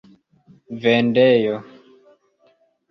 vendejo